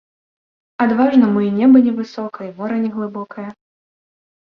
Адважнаму і неба невысока, і мора неглыбокае.